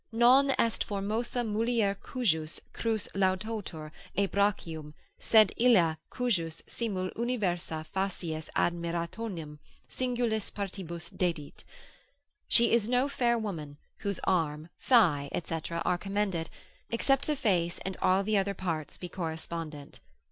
Non est formosa mulier cujus crus laudatur et brachium, sed illa cujus simul universa facies admirationem singulis partibus dedit; she is no fair woman, whose arm, thigh, &c. are commended, except the face and all the other parts be correspondent.